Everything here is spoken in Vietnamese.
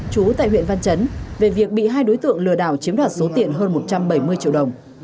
chú tại huyện văn chấn về việc bị hai đối tượng lừa đảo chiếm đoạt số tiền hơn một trăm bảy mươi triệu đồng